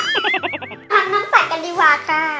อันน้ำสักกันดีกว่าค่ะ